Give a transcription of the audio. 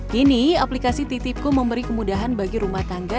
kini aplikasi titipku memberi kemudahan bagi rumah tangga